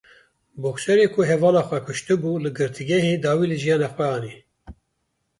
Bokserê ku hevala xwe kuştibû li girtîgehê dawî li jiyana xwe anî.